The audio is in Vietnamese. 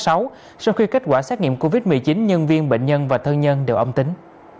sau khi kết quả xét nghiệm covid một mươi chín nhân viên bệnh nhân và thân nhân đều âm tính